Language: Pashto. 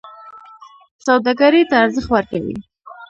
سوداګرۍ ته ارزښت ورکوي.